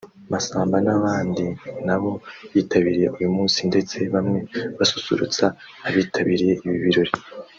Massamba n’abandi na bo bitabiriye uyu munsi ndetse bamwe basusurutsa abitabiriye ibi birori